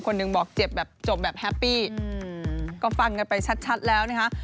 หนึ่งบอกเจ็บแบบจบแบบแฮปปี้ก็ฟังกันไปชัดแล้วนะคะ